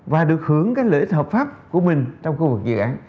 và được hưởng cái lợi ích hợp pháp của mình trong khu vực dự án